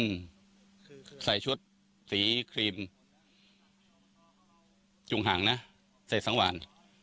คือใส่ชุดสีครีมจุงหางนะใส่สังหวาน